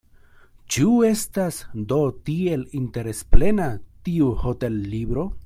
Ĉu estas do tiel interesplena tiu hotellibro?